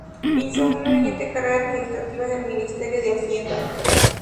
Hizo una brillante carrera administrativa en el ministerio de Hacienda.